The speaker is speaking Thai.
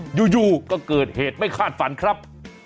อยู่ก็เกิดเหตุไม่คาดฝันครับ